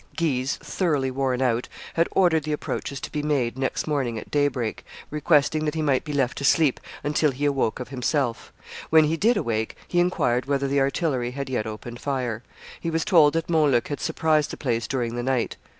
Guise, thoroughly worn out, had ordered the approaches to be made next morning at daybreak, requesting that he might be left to sleep until he awoke of himself; when he did awake, he inquired whether the artillery had yet opened fire; he was told that Montluc had surprised the place during the night.